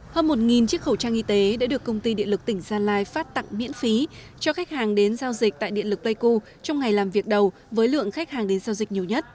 hơn một chiếc khẩu trang y tế đã được công ty điện lực tỉnh gia lai phát tặng miễn phí cho khách hàng đến giao dịch tại điện lực pleiku trong ngày làm việc đầu với lượng khách hàng đến giao dịch nhiều nhất